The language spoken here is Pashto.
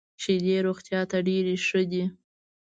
شیدې روغتیا ته ډېري ښه دي .